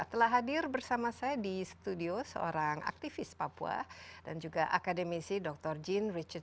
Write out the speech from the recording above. telah hadir bersama saya di studio seorang aktivis papua dan juga akademisi dr jin richard